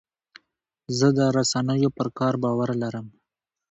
زه د رسنیو پر کار باور لرم.